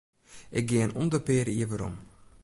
Ik gean om de pear jier werom.